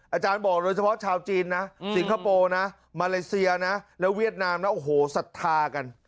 อาจารย์บอกโดยเฉพาะชาวจีนนะสิงคโปร์นะมาเลเซียนะแล้วเวียดนามนะโอ้โหศรัทธากัน